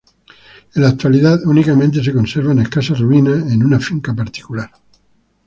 En la actualidad únicamente se conservan escasas ruinas en una finca particular.